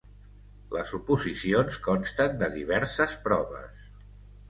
Les oposicions consten de diverses proves.